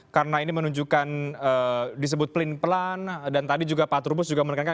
karena ini menunjukkan disebut pelin pelan dan tadi juga pak turbus menekankan ini justru menunjukkan